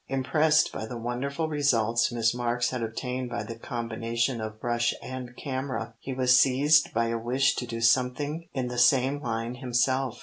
Impressed by the wonderful results Miss Marks had obtained by the combination of brush and camera, he was seized by a wish to do something in the same line himself.